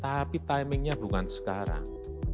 tapi timingnya bukan sekarang